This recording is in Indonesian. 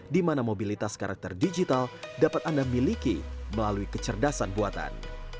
di mana mobilitas karakter digital dapat anda miliki melalui kecerdasan buatan